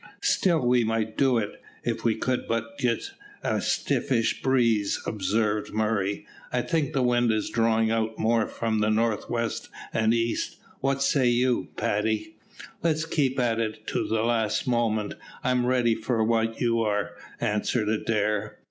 "Still we might do it, if we could but get a stiffish breeze," observed Murray. "I think the wind is drawing out more from the north west and east. What say you, Paddy?" "Let's keep at it to the last moment. I'm ready for what you are?" answered Adair.